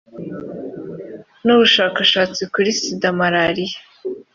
n ubushakashatsi kuri sida malariya